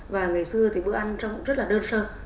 và ngày xưa thì bữa ăn rất là đơn sơ